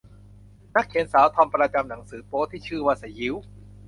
นักเขียนสาวทอมประจำหนังสือโป๊ที่ชื่อว่าสยิว